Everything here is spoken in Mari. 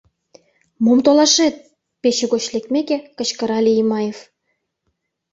— Мом толашет? — пече гоч лекмеке, кычкырале Имаев.